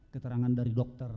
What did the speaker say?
keterangan dari dokter